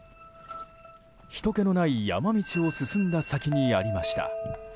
ひとけのない山道を進んだ先にありました。